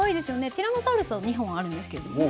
ティラノサウルスは２本あるんですけれどもね。